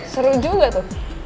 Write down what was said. seru juga tuh